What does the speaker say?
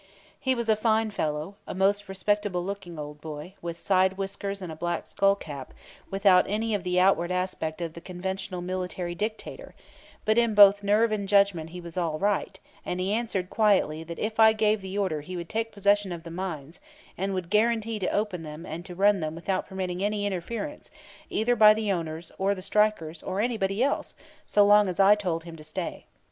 He was a fine fellow a most respectable looking old boy, with side whiskers and a black skull cap, without any of the outward aspect of the conventional military dictator; but in both nerve and judgment he was all right, and he answered quietly that if I gave the order he would take possession of the mines, and would guarantee to open them and to run them without permitting any interference either by the owners or the strikers or anybody else, so long as I told him to stay.